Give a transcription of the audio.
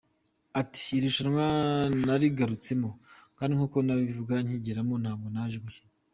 Ati, “Irushanwa narigarutsemo kandi nk’uko nabivuze nkigeramo ntabwo naje gukina.